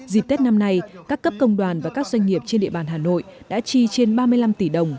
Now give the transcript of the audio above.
dịp tết năm nay các cấp công đoàn và các doanh nghiệp trên địa bàn hà nội đã chi trên ba mươi năm tỷ đồng